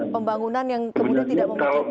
kembangunan yang kemudian tidak memaklumkan konteks itu